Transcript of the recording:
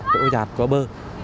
cỗ dạt cỗ bơ